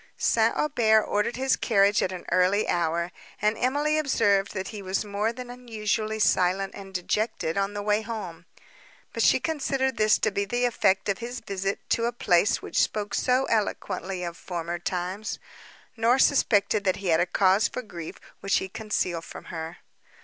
St. Aubert ordered his carriage at an early hour, and Emily observed, that he was more than usually silent and dejected on the way home; but she considered this to be the effect of his visit to a place which spoke so eloquently of former times, nor suspected that he had a cause of grief which he concealed from her.